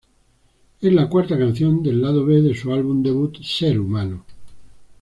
Es la cuarta canción del lado B de su álbum debut, "Ser humano!!